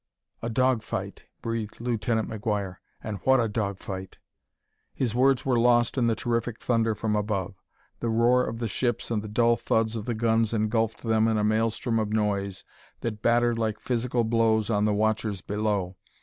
"A dog fight!" breathed Lieutenant McGuire; "and what a dog fight!" His words were lost in the terrific thunder from above: the roar of the ships and the dull thuds of the guns engulfed them in a maelstrom of noise that battered like physical blows on the watchers below.